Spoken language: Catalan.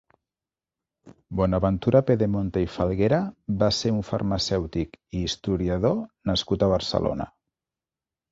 Bonaventura Pedemonte i Falguera va ser un farmacèutic i historiador nascut a Barcelona.